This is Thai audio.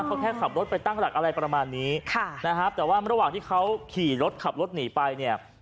เขาแค่ขับรถไปตั้งหลักอะไรประมาณนี้ค่ะนะฮะแต่ว่าระหว่างที่เขาขี่รถขับรถหนีไปเนี่ย